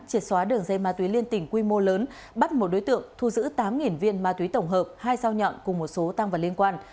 triệt xóa đường dây ma túy liên tỉnh quy mô lớn bắt một đối tượng thu giữ tám viên ma túy tổng hợp hai sao nhọn cùng một số tăng vật liên quan